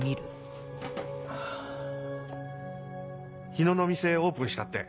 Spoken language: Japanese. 「日野の店オープンしたって。